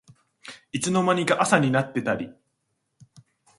いつの間にか朝になってたり